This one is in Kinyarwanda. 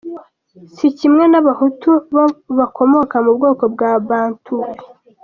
Sikimwe n’abahutu, bo bakomoka mu bwoko bwa Bantoue.